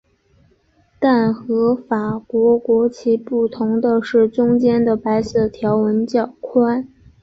但和法国国旗不同的是中间的白色条纹较宽。